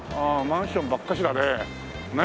マンションばっかしだね。